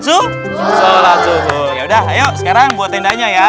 yaudah ayo sekarang buat tendanya ya